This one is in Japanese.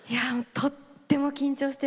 とっても緊張してます。